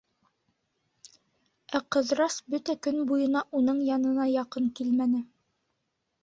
Ә Ҡыҙырас бөтә көн буйына уның янына яҡын килмәне.